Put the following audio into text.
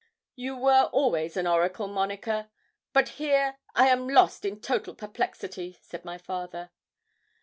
'You were always an oracle, Monica; but here I am lost in total perplexity,' said my father.